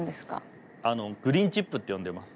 グリーンチップって呼んでます。